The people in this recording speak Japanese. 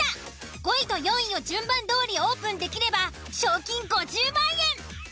５位と４位を順番どおりオープンできれば賞金５０万円。